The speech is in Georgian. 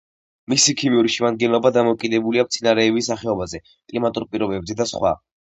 მისი ქიმიური შემადგენლობა დამოკიდებულია მცენარეების სახეობაზე, კლიმატურ პირობებზე და სხვა.